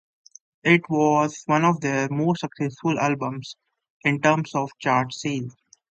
It was one of their most successful albums in terms of chart sales.